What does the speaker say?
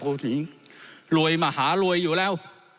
เพราะคุณหญิงรวยมาหารวยอยู่แล้ว